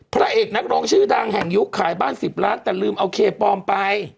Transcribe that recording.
พระเอกนักร้องชื่อดังแห่งยุคขายบ้าน๑๐ล้านแต่ลืมเอาเคปลอมไป